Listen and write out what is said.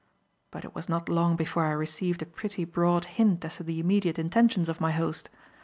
But it was not long before I received a pretty broad hint as to the immediate intentions of my host.